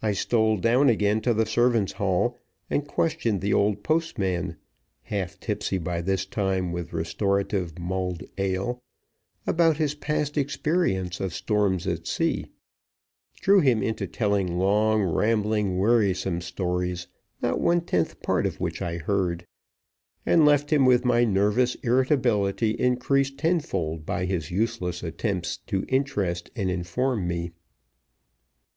I stole down again to the servants' hall, and questioned the old postman (half tipsy by this time with restorative mulled ale) about his past experience of storms at sea; drew him into telling long, rambling, wearisome stories, not one tenth part of which I heard; and left him with my nervous irritability increased tenfold by his useless attempts to interest and inform me.